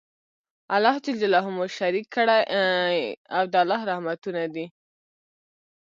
الله ج مو شريک کړی او د الله رحمتونه دي